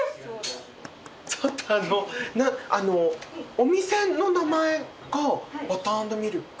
お店の名前がバター＆ミルク？